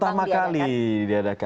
pertama kali diadakan